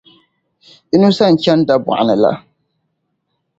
Inusah n-chani Dabogni la.